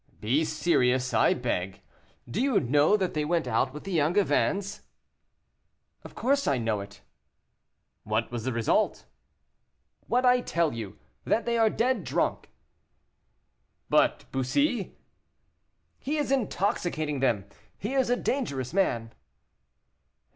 "Be serious, I beg; do you know that they went out with the Angevins?" "Of course, I know it." "What was the result?" "What I tell you; that they are dead drunk." "But Bussy!" "He is intoxicating them; he is a dangerous man."